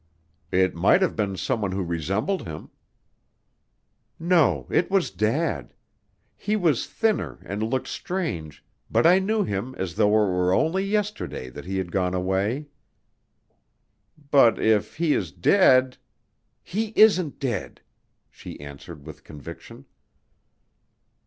"It might have been someone who resembled him." "No, it was Dad. He was thinner and looked strange, but I knew him as though it were only yesterday that he had gone away." "But if he is dead " "He isn't dead," she answered with conviction.